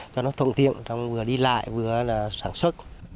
cho nó thuận tiện trong vừa đi lại vừa là sản xuất